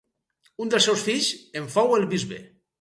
Un dels seus fills en fou el bisbe.